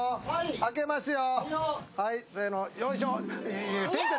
開けますよ。